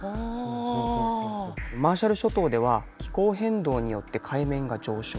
マーシャル諸島では気候変動によって海面が上昇。